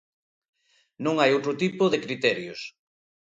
Non hai outro tipo de criterios.